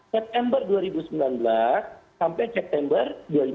september dua ribu sembilan belas sampai september dua ribu dua puluh